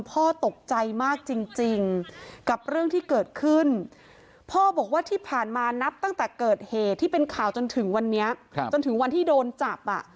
พ่อตกใจมากจริงกับเรื่องที่เกิดขึ้นพ่อบอกว่าที่ผ่านมานับตั้งแต่เกิดเหตุที่เป็นข่าวจนถึงวันนี้จนถึงวันที่โดนจับ